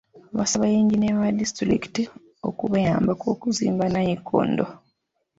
Baasaaba yinginiya wa disitulikiti okubayambako okuzimba nnayikondo.